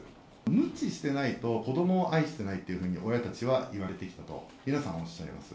むちしてないと子どもを愛していないというふうに親たちは言われてきたと、皆さんおっしゃいます。